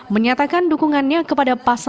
menyatakan dukungannya kepada pasangan